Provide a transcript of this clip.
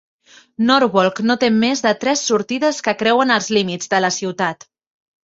Norwalk no té més de tres sortides que creuen els límits de la ciutat.